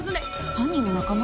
犯人の仲間？